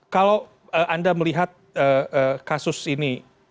kalau anda melihat kasus ini